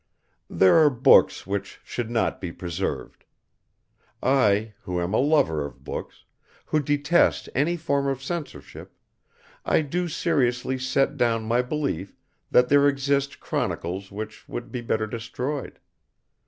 There are books which should not be preserved. I, who am a lover of books, who detest any form of censorship, I do seriously set down my belief that there exist chronicles which would be better destroyed.